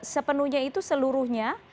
sepenuhnya itu seluruhnya